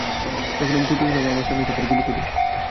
যখন আমি ছোট ছিলাম আমার সামনেই তাদের গুলি করে।